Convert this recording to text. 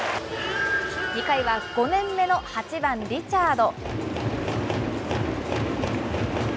２回は５年目の８番リチャード。